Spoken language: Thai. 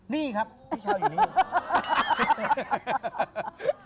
นี่ครับพี่เช้าอยู่นี่